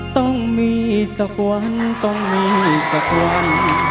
ต้องมีสักวันต้องมีสักวัน